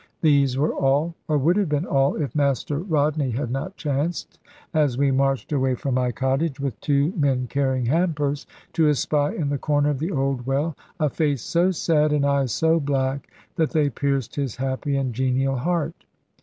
These were all, or would have been all, if Master Rodney had not chanced, as we marched away from my cottage, with two men carrying hampers, to espy, in the corner of the old well, a face so sad, and eyes so black, that they pierced his happy and genial heart.